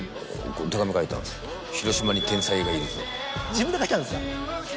自分で書いたんですか？